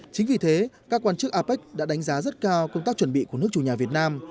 chính vì thế các quan chức apec đã đánh giá rất cao công tác chuẩn bị của nước chủ nhà việt nam